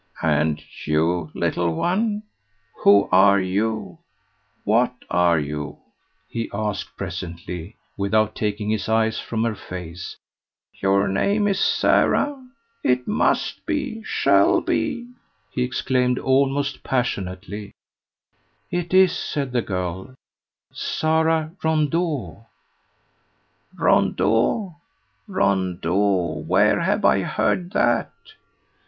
"And you, little one, who are you? what are you?" he asked presently, without taking his eyes from her face. "Your name is Sara? it must be shall be," he exclaimed almost passionately. "It is," said the girl "Sara Rondeau." "Rondeau, Rondeau! where have I heard that?"